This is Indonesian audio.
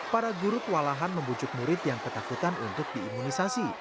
para guru kewalahan membujuk murid yang ketakutan untuk diimunisasi